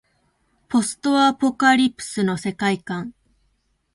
ポストアポカリプスの世界観